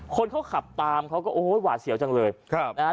คนเขาขับตามเขาก็โอ้โหหวาดเสียวจังเลยครับนะฮะ